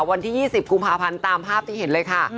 วันที่๒๐กุมภาพันธ์ตามภาพที่เห็นเลยค่ะ